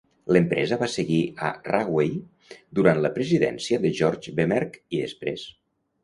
L'empresa va seguir a Rahway durant la presidència de George W. Merck i després.